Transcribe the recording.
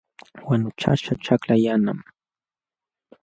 Wanuchaśhqa ćhakla yanam.